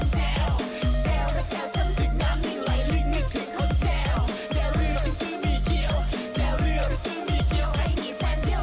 แจวเรือไปซื้อหมี่เกี๊ยวให้มีแฟนเที่ยวมันก็ช่วยแจว